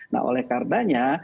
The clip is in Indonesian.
nah oleh kardanya